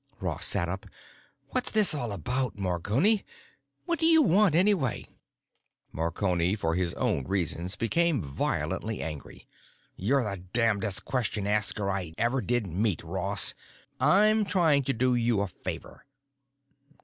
Ross sat up. "What's this all about, Marconi? What do you want, anyway?" Marconi, for his own reasons, became violently angry. "You're the damnedest question asker I ever did meet, Ross. I'm trying to do you a favor."